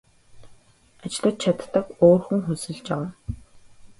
Ажиллаж чаддаг өөр хүн хөлсөлж авна.